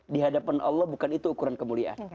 di hadapan allah bukan itu ukuran kemuliaan